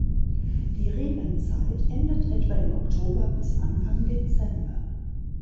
Die Regenzeit endet etwa im Oktober bis Anfang Dezember.